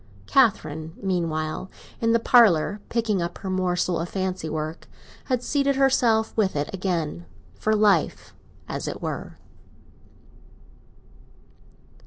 Catherine, meanwhile, in the parlour, picking up her morsel of fancy work, had seated herself with it again—for life, as it were.